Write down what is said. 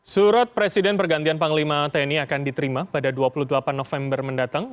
surat presiden pergantian panglima tni akan diterima pada dua puluh delapan november mendatang